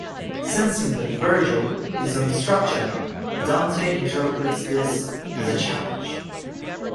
Sensing that Vergil is on the structure, Dante interprets this as a challenge.